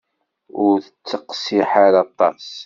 Ur ttiqsiḥ ara aṭas.